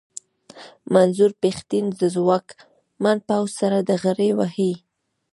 منظور پښتين د ځواکمن پوځ سره ډغرې وهي.